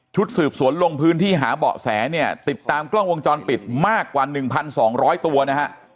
สืบสวนลงพื้นที่หาเบาะแสเนี่ยติดตามกล้องวงจรปิดมากกว่า๑๒๐๐ตัวนะฮะ